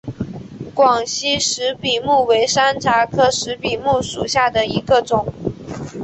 广西石笔木为山茶科石笔木属下的一个种。